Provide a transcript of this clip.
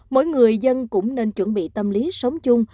mỗi người dân cũng nên chuẩn bị tâm lý sống chung